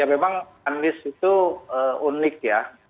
ya memang anies itu unik ya